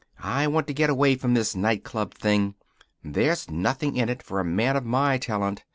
I want to get away from this night club thing. There's nothing in it for a man of my talent.